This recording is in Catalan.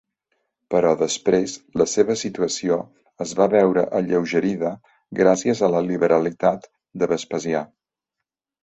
Però després la seva situació es va veure alleugerida gràcies a la liberalitat de Vespasià.